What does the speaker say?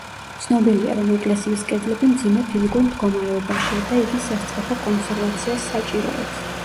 ცნობილია, რომ ეკლესიის კედლები მძიმე ფიზიკურ მდგომარეობაშია და იგი სასწრაფო კონსერვაციას საჭიროებს.